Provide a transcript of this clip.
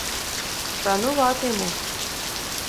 — Шанувати-йму.